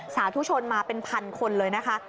สาธุชนมาเป็นพันคนเลยนะคะ